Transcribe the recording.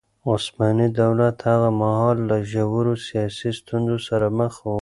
عثماني دولت هغه مهال له ژورو سياسي ستونزو سره مخ و.